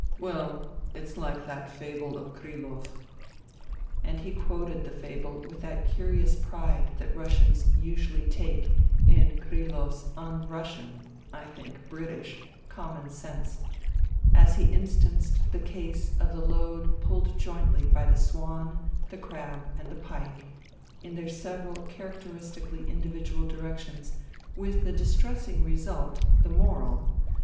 . well, it's like that fable of Krilov." And he quoted the fable with that curious pride that Russians usually take in Krilov's un Russian (I think British) common sense, as he instanced the case of the load pulled jointly by the swan, the crab and the pike in their several characteristically individual directions with the distressing result — ^the moral